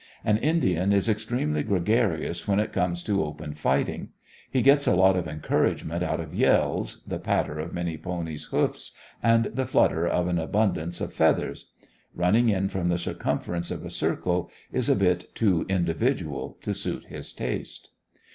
An Indian is extremely gregarious when it comes to open fighting. He gets a lot of encouragement out of yells, the patter of many ponies' hoofs, and the flutter of an abundance of feathers. Running in from the circumference of a circle is a bit too individual to suit his taste.